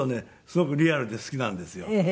すごくリアルで好きなんですよ。